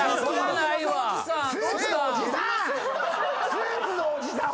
スーツのおじさん